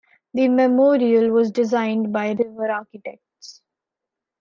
The memorial was designed by River Architects.